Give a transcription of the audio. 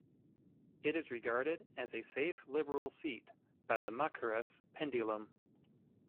It is regarded as a safe Liberal seat by the Mackerras pendulum.